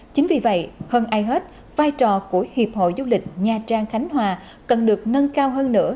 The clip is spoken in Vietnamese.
chính vì vậy hơn ai hết vai trò của hiệp hội du lịch nha trang khánh hòa cần được nâng cao hơn nữa